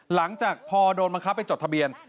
หลังจากพอโดนบังคับให้จดทะเบียน